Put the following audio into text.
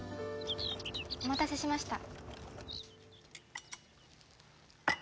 お待たせしました。